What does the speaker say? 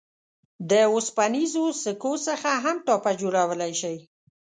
د اوسپنیزو سکو څخه هم ټاپه جوړولای شئ.